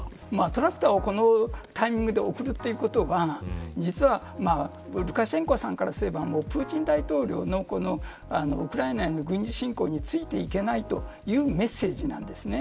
トラクターをこのタイミングで贈るということは実はルカシェンコさんからすればもうプーチン大統領のウクライナへの軍事侵攻についていけないというメッセージなんです。